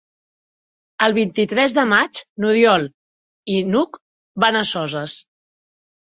El vint-i-tres de maig n'Oriol i n'Hug van a Soses.